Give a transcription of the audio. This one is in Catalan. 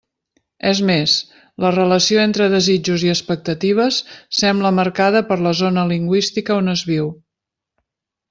És més, la relació entre desitjos i expectatives sembla marcada per la zona lingüística on es viu.